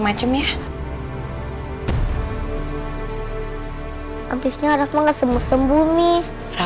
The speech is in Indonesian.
aku udah agak tergila